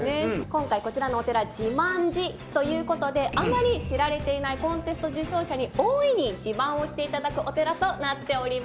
今回こちらのお寺自慢寺ということであまり知られていないコンテスト受賞者に大いに自慢をしていただくお寺となっております